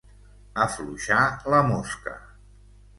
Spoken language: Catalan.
Afluixar la mosca.